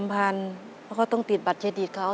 เพราะต้องติดบัตรเชดียนเขา